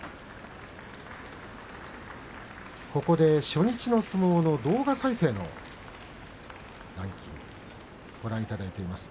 初日の相撲の動画再生のランキングです。